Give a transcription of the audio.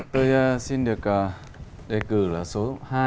tôi xin được đề cử là số hai